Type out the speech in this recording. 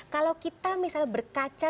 kalau kita misalnya berkaca